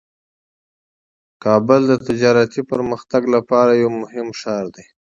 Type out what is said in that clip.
کابل د تجارتي پرمختګ لپاره یو مهم ښار دی.